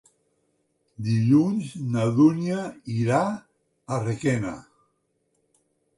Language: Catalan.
Dilluns na Dúnia irà a Requena.